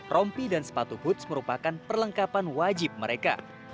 rompi dan sepatu hoots merupakan perlengkapan wajib mereka